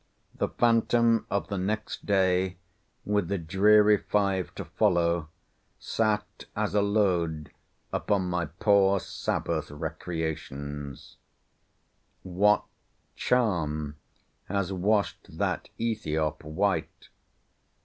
The phantom of the next day, with the dreary five to follow, sate as a load upon my poor Sabbath recreations. What charm has washed that Ethiop white?